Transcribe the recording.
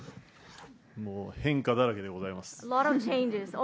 もう、変化だらけでございます。